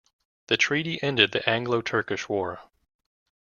The treaty ended the Anglo-Turkish War.